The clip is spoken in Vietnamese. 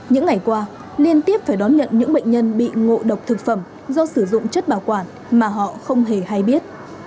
những ngày qua liên tiếp phải đón nhận những bệnh nhân bị ngộ độc thực phẩm do sử dụng chất bảo quản mà họ không hề hay biết